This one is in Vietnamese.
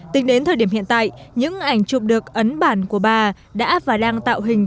tính đến thời điểm hiện tại những ảnh chụp được ấn bản của bà đã và đang tạo hình